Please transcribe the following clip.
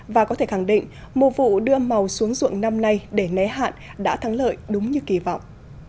và có thể khẳng định mùa vụ đưa màu xuống ruộng năm nay để né hạn đã thắng lợi đúng như kỳ vọng